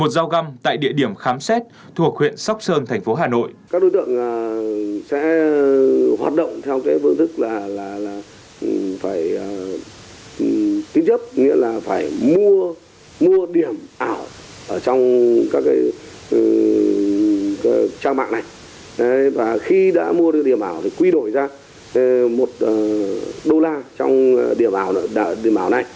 một dao găm tại địa điểm khám xét thuộc huyện sóc sơn tp hà nội